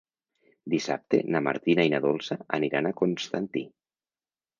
Dissabte na Martina i na Dolça aniran a Constantí.